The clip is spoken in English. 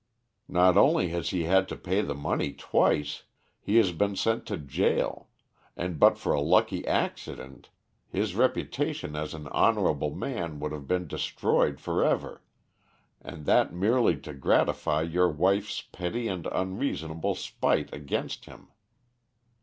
Not only has he had to pay the money twice, he has been sent to jail, and but for a lucky accident his reputation as an honorable man would have been destroyed forever, and that merely to gratify your wife's petty and unreasonable spite against him.